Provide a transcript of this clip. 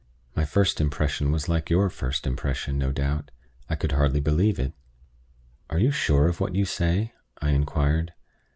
My first impression was like your first impression, no doubt. I could hardly believe it. "Are you sure of what you say?" I inquired.